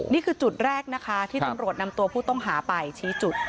นี่คือจุดแรกนะคะที่ตำรวจนำตัวผู้ต้องหาไปชี้จุด